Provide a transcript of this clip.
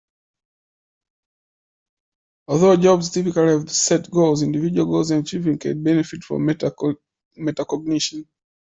Although jobs typically have set goals, individual goals and achievement can benefit from metacognition.